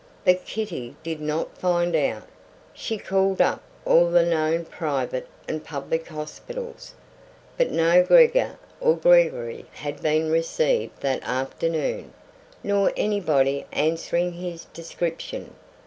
But Kitty did not find out. She called up all the known private and public hospitals, but no Gregor or Gregory had been received that afternoon, nor anybody answering his description.